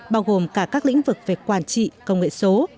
bao gồm cả các lĩnh vực về quản trị công nghệ số